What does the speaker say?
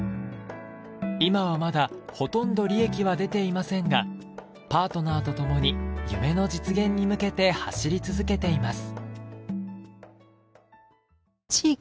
今はまだほとんど利益は出ていませんがパートナーと共に夢の実現に向けて走り続けています。